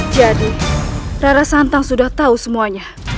jadi rara santang sudah tahu semuanya